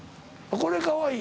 これかわいい？